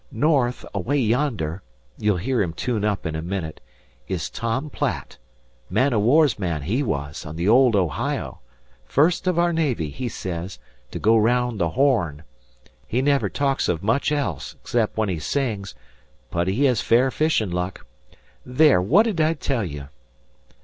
North, away yonder you'll hear him tune up in a minute is Tom Platt. Man o' war's man he was on the old Ohio first of our navy, he says, to go araound the Horn. He never talks of much else, 'cept when he sings, but he has fair fishin' luck. There! What did I tell you?"